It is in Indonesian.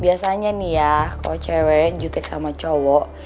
biasanya nih ya kalo cewek jutek sama cowok